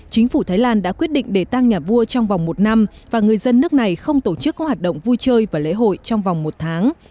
chính phủ thái lan đã quyết định để tăng nhà vua trong vòng một năm và người dân nước này không tổ chức các hoạt động vui chơi và lễ hội trong vòng một tháng